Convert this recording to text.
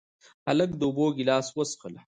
هلک د اوبو ګیلاس وڅښله.